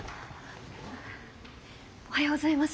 おはようございます。